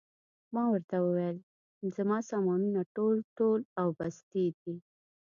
ما ورته وویل: زما سامانونه ټول، ټول او بستې دي.